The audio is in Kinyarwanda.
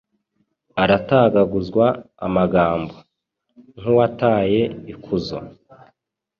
Aratagaguza amagambo.nkuwataye ikuzo